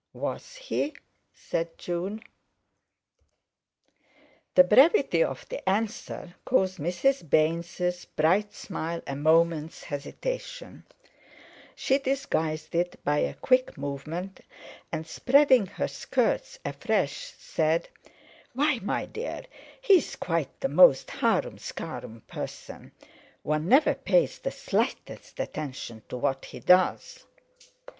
"Was he?" said June. The brevity of the answer caused Mrs. Baynes's bright smile a moment's hesitation; she disguised it by a quick movement, and spreading her skirts afresh, said: "Why, my dear—he's quite the most harum scarum person; one never pays the slightest attention to what he does!"